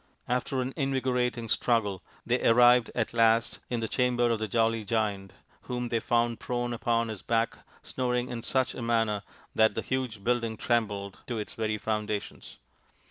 After an invigorating struggle they arrived at last in the chamber of the jolly Giant, whom they found prone upon his back snoring in such a manner that the huge building trembled to its very foundations.